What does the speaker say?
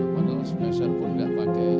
padahal spesial pun udah pakai